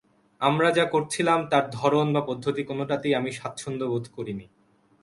আমরা যা করছিলাম তার ধরন বা পদ্ধতি কোনটাতেই আমি স্বাচ্ছন্দ্য বোধ করিনি।